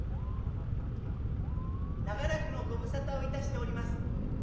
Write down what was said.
「長らくのご無沙汰をいたしております。